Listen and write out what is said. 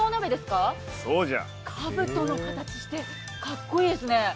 かぶとの形して格好いいですね。